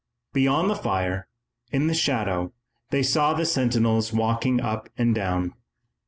Beyond the fire, in the shadow, they saw the sentinels walking up and down.